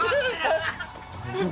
大丈夫？